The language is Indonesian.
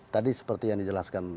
tadi seperti yang dijelaskan